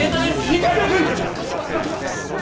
二階堂君！